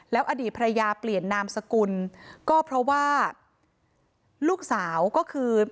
อดีตภรรยาเปลี่ยนนามสกุลก็เพราะว่าลูกสาวก็คือ